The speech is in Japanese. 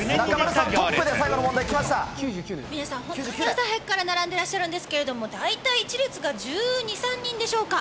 皆さん、本当に朝早くから並んでらっしゃるんですけれども、大体、１列が１２、３人でしょうか。